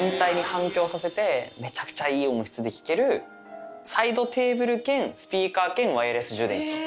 めちゃくちゃいい音質で聴けるサイドテーブル兼スピーカー兼ワイヤレス充電器。